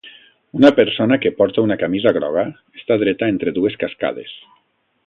Una persona que porta una camisa groga està dreta entre dues cascades.